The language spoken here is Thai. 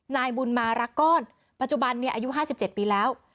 นายบุญมารักก้อนปัจจุบันอายุ๕๗ปีแล้ว